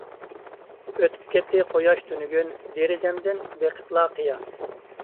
ئۆتۈپ كەتتى قۇياش تۈنۈگۈن، دېرىزەمدىن بېقىپلا قىيا.